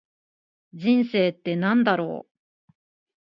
人生って何だろう。